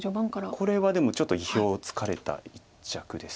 これはでもちょっと意表をつかれた一着です。